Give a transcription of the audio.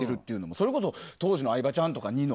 それこそ当時の相葉ちゃんとかニノ。